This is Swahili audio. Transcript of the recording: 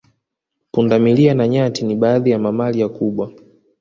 Punda milia na nyati ni baadhi ya mamalia kubwa